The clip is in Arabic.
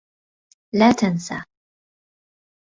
لا تنس!